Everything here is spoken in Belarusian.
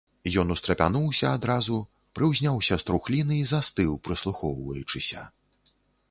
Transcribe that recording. Ён устрапянуўся адразу, прыўзняўся з трухліны і застыў, прыслухоўваючыся.